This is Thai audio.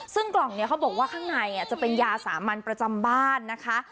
ซึ่งกล่องนี้เขาบอกว่าข้างในจะเป็นยาสามัญประจำบ้านนะคะ